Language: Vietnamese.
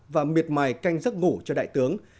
và miệt mài canh giấc ngủ cho đại tướng